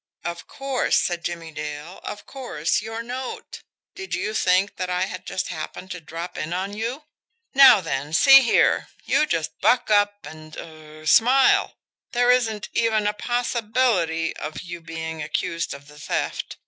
"Of course," said Jimmie Dale. "Of course your note. Did you think that I had just happened to drop in on you? Now, then, see here, you just buck up, and er smile. There isn't even a possibility of you being accused of the theft.